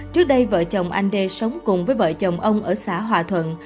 trước đây vợ chồng anh đê sống cùng với vợ chồng ông ở xã hòa thuận